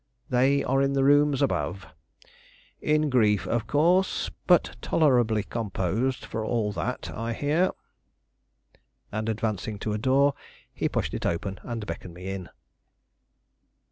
"They are in the rooms above; in grief, of course, but tolerably composed for all that, I hear." And advancing to a door, he pushed it open and beckoned me in.